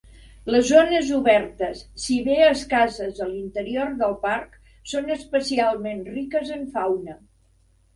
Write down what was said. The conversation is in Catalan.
Les zones obertes, si bé escasses a l'interior del parc, són especialment riques en fauna.